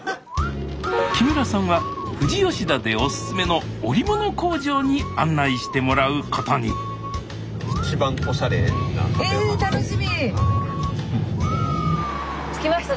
木村さんは富士吉田でオススメの織物工場に案内してもらうことに着きました